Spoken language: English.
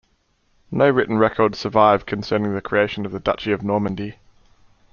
No written records survive concerning the creation of the Duchy of Normandy.